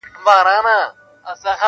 • په ښکلا یې له هر چا وو میدان وړی -